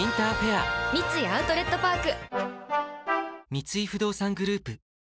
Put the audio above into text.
三井不動産グループ